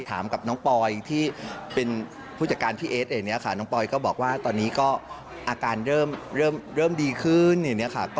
ถามกับน้องปอยที่เป็นผู้จัดการพี่เอสน้องปอยก็บอกว่าตอนนี้ก็อาการเริ่มดีขึ้น